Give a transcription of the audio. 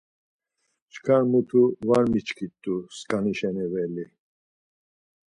Çkar mutu var miçkit̆u, skanişen eveli.